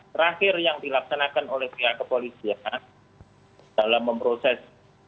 terakhir yang dilaksanakan oleh pihak kepolisian dalam memproses